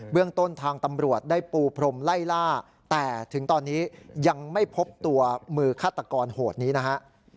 เรื่องต้นทางตำรวจได้ปูพรมไล่ล่าแต่ถึงตอนนี้ยังไม่พบตัวมือฆาตกรโหดนี้นะฮะ